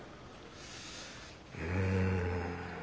うん。